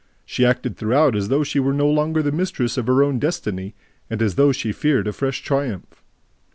She acted throughout as though she were no longer the mistress of her own destiny and as though she feared a fresh triumph.